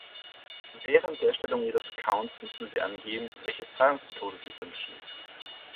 Während der Erstellung Ihres Accounts müssen Sie angeben, welche Zahlungsmethode Sie wünschen.